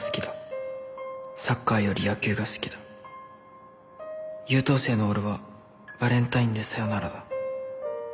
「サッカーより野球が好きだ」「優等生の俺はバレンタインでサヨナラだ」